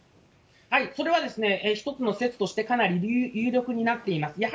それはですね、一つの説としてかなり有力になっています。